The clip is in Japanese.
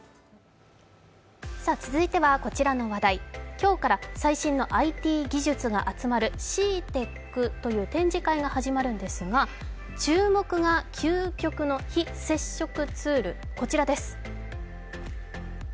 今日から最新のＩＴ技術が集まるＣＥＡＴＥＣという展示会が始まるんですが、注目が究極の非接触ツール、こちらです。